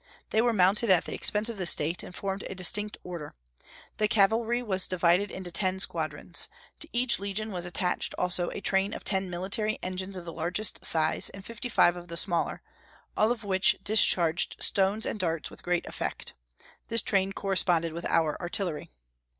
They were mounted at the expense of the State, and formed a distinct order. The cavalry was divided into ten squadrons. To each legion was attached also a train of ten military engines of the largest size, and fifty five of the smaller, all of which discharged stones and darts with great effect. This train corresponded with our artillery.